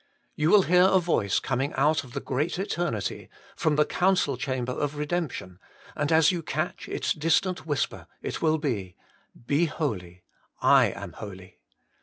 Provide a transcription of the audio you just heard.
You will hear a voice coming out of the great eternity, from the council chamber of redemption, and as you catch its distant whisper, it will be, Be holy, I am holy.